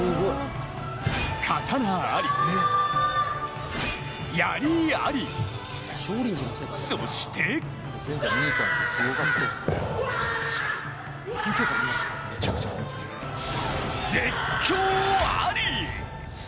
刀あり、やりあり、そして絶叫あり！